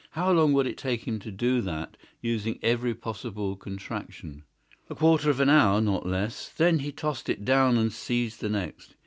How long would it take him to do that, using every possible contraction? A quarter of an hour, not less. Then he tossed it down and seized the next.